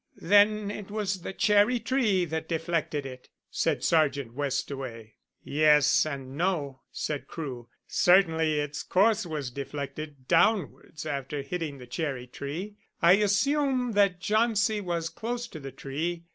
"Then it was the cherry tree that deflected it?" said Sergeant Westaway. "Yes and no," said Crewe. "Certainly its course was deflected downwards after hitting the cherry tree I assume that Jauncey was close to the tree.